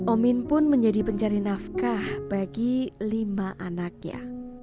omin pun menjadi pencari nafkah bagi lima anaknya